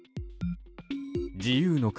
自由の国